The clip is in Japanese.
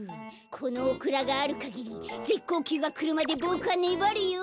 このオクラがあるかぎりぜっこうきゅうがくるまでボクはねばるよ！